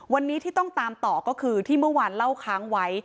วันนี้ที่ต้องตามต่อก็คือที่เมื่อวานเล่าค้างไว้